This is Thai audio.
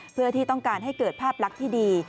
เพื่อที่ต้องการให้เกิดภาพลักษณ์ที่ดี